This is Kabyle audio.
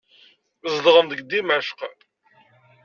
Zedɣen deg Dimecq.